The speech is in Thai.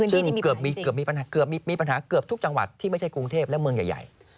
ซึ่งเกือบมีปัญหาเกือบทุกจังหวัดที่ไม่ใช่กรุงเทพและเมืองใหญ่